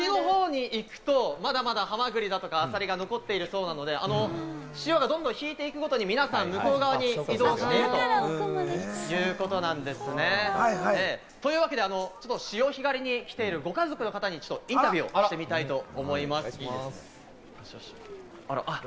沖の方に行くと、まだまだハマグリだとかアサリが残っているそうなので、潮がどんどん引いていくごとに皆さん、向こう側に移動しているということなんですね。というわけで潮干狩りに来ているご家族の方に、ちょっとインタビューをしてみたいと思います。